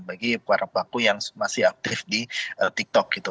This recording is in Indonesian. bagi para pelaku yang masih aktif di tiktok gitu